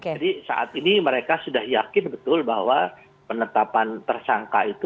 jadi saat ini mereka sudah yakin betul bahwa penetapan tersangka itu